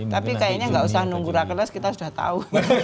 tapi kayaknya nggak usah nunggu rakernas kita sudah tahu